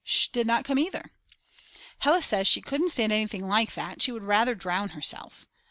Sch. did not come either. Hella says she couldn't stand anything like that, she would rather drown herself.